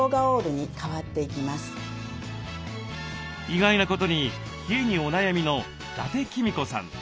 意外なことに冷えにお悩みの伊達公子さん。